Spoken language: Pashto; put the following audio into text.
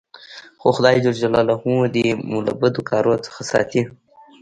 خو خداى جل جلاله دي مو له بدو کارو څخه ساتي.